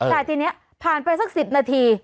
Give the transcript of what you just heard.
แต่ทีนี้ผ่านไปสัก๑๐นาที